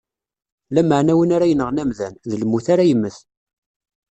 Lameɛna win ara yenɣen amdan, d lmut ara yemmet.